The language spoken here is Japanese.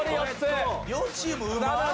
両チーム、うまぁ。